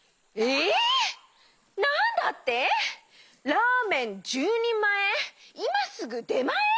ラーメン１０にんまえいますぐでまえ！？